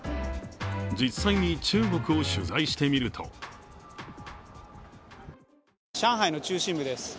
実際に、中国を取材してみると上海の中心部です。